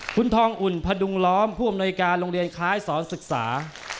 คุณทองอุ่นพดุงล้อมผู้อำนวยการโรงเรียนคล้ายสอนศึกษา